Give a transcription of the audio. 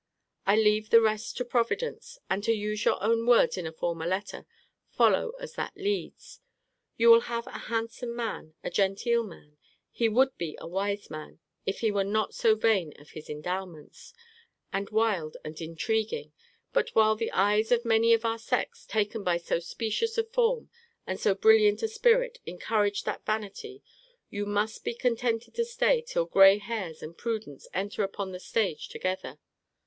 Leave the rest to Providence, and, to use your own words in a former letter, follow as that leads. You will have a handsome man, a genteel man; he would be a wise man, if he were not vain of his endowments, and wild and intriguing: but while the eyes of many of our sex, taken by so specious a form and so brilliant a spirit, encourage that vanity, you must be contented to stay till grey hairs and prudence enter upon the stage together.